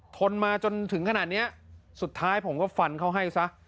ทนมาจนถึงขนาดเนี้ยสุดท้ายผมก็ฟันเขาให้ซะ